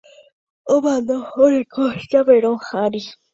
Omano oreko javérõ ary.